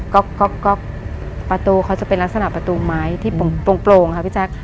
ก็ประตูเขาจะเป็นลักษณะประตูไม้ที่โปร่งค่ะพี่แจ๊ค